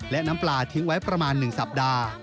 และน้ำปลาทิ้งไว้ประมาณ๑สัปดาห์